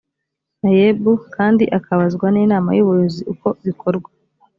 naeb kandi akabazwa n’inama y’ubuyobozi uko bikorwa